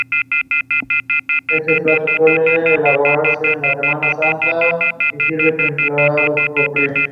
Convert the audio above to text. Sin embargo la posición del Eoraptor es discutida.